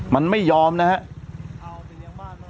มันไม่ยอมนะครับ